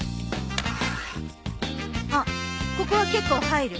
あっここは結構入る。